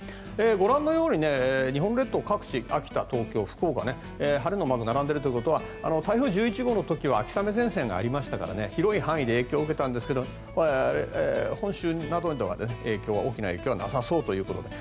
ご覧のように日本列島各地秋田、東京、福岡晴れのマークが並んでいるということは台風１１号の時は秋雨前線がありましたから広い範囲で影響を受けたんですが本州などには大きな影響はなさそうということで。